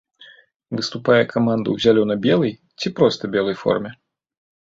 Выступае каманда ў зялёна-белай, ці проста белай форме.